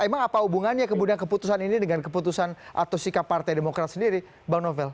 emang apa hubungannya kemudian keputusan ini dengan keputusan atau sikap partai demokrat sendiri bang novel